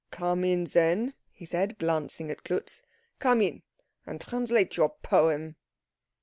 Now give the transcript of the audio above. "Come in, then," he said, glancing at Klutz, "come in and translate your poem."